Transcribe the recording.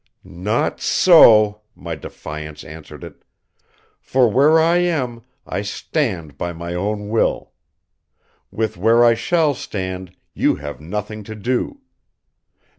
"Not so," my defiance answered It. "For where I am, I stand by my own will. With where I shall stand, you have nothing to do.